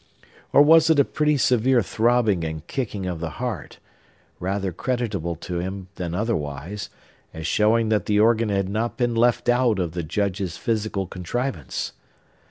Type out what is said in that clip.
—or was it a pretty severe throbbing and kicking of the heart, rather creditable to him than otherwise, as showing that the organ had not been left out of the Judge's physical contrivance?